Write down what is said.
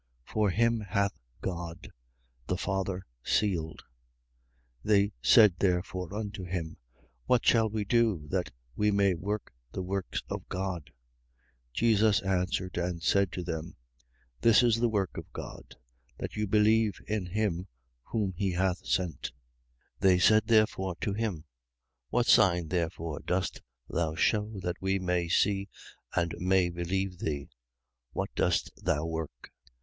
For him hath God, the Father, sealed. 6:28. They said therefore unto him: What shall we do, that we may work the works of God? 6:29. Jesus answered and said to them: This is the work of God, that you believe in him whom he hath sent. 6:30. They said therefore to him: What sign therefore dost thou shew that we may see and may believe thee? What dost thou work?